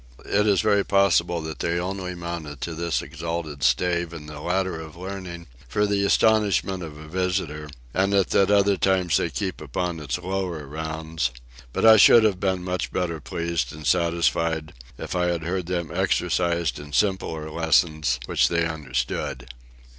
It is very possible that they only mounted to this exalted stave in the Ladder of Learning for the astonishment of a visitor; and that at other times they keep upon its lower rounds; but I should have been much better pleased and satisfied if I had heard them exercised in simpler lessons, which they understood.